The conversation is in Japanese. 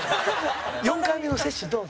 ４回目の接種、どうぞ。